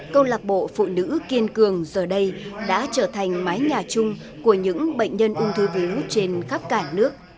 công lạc bộ phụ nữ kinh cường giờ đây đã trở thành mái nhà chung của những bệnh nhân ung thư vũ trên khắp cả nước